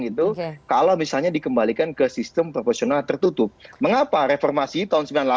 itu kalau misalnya dikembalikan ke sistem profesional tertutup mengapa reformasi tahun